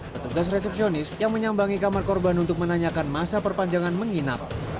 petugas resepsionis yang menyambangi kamar korban untuk menanyakan masa perpanjangan menginap